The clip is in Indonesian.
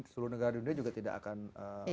seluruh negara dunia juga tidak akan